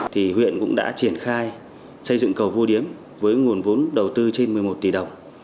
thì huyện cũng đã triển khai xây dựng cầu vô điếm với nguồn vốn đầu tư trên một mươi một tỷ đồng